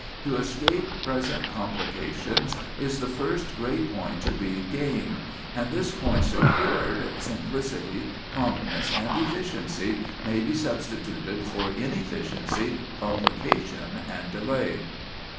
To escape present complications is the first great point to be gained; and this point secured, simplicity, promptness, and efficiency may be substituted for inefficiency, complication, and delay."